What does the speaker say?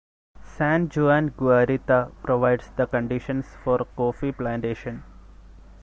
San Juan Guarita provides the conditions for coffee plantation.